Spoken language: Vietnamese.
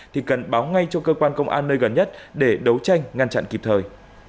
thì cần báo ngay cho cơ quan công an nơi gần nhất để đấu tranh ngăn chặn kịp thời